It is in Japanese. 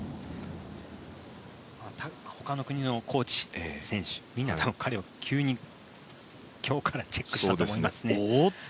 他の国のコーチ、選手みんな彼を今日からチェックしたと思います。